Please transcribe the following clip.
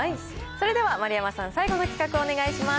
それでは丸山さん、最後の企画をお願いします。